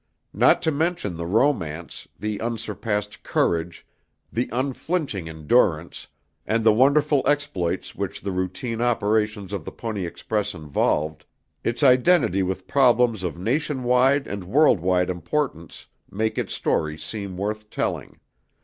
Not to mention the romance, the unsurpassed courage, the unflinching endurance, and the wonderful exploits which the routine operations of the Pony Express involved, its identity with problems of nation wide and world wide importance make its story seem worth telling.